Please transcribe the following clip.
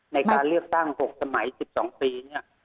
ในการเรียกตั้งหกสมัยสิบสองปีเนี่ย